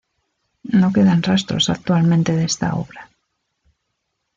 No quedan rastros actualmente de esta obra.